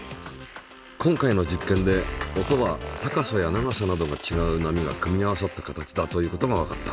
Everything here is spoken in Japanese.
今回の実験で音は高さや長さなどがちがう波が組み合わさった形だということがわかった。